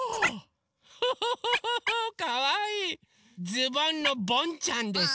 ズボンのボンちゃんです。